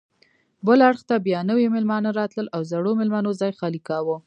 بل اړخ ته بیا نوي میلمانه راتلل او زړو میلمنو ځای خالي کاوه.